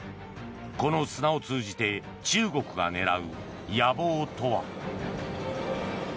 この砂を通じて中国が狙う野望とは。